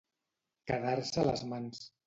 Quedar-se a les mans.